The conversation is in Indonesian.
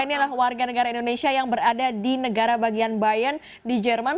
ini adalah warga negara indonesia yang berada di negara bagian bayan di jerman